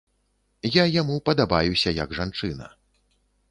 Я яму падабаюся як жанчына.